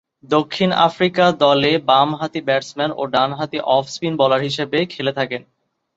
দক্ষিণ আফ্রিকা দলে বামহাতি ব্যাটসম্যান ও ডানহাতি অফ স্পিন বোলার হিসেবে খেলে থাকেন।